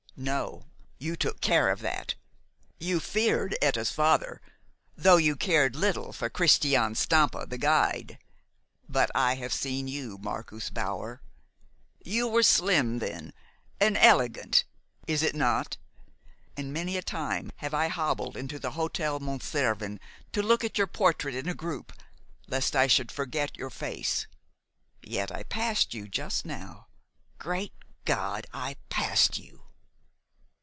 "No. You took care of that. You feared Etta's father, though you cared little for Christian Stampa, the guide. But I have seen you, Marcus Bauer. You were slim then an elegant, is it not? and many a time have I hobbled into the Hotel Mont Cervin to look at your portrait in a group lest I should forget your face. Yet I passed you just now! Great God! I passed you."